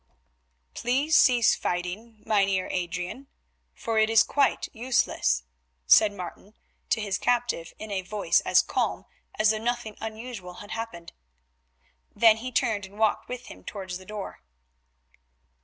"Please cease fighting, Mynheer Adrian, for it is quite useless," said Martin to his captive in a voice as calm as though nothing unusual had happened. Then he turned and walked with him towards the door.